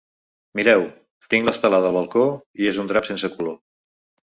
Mireu, tinc l’estelada al balcó i és un drap sense color.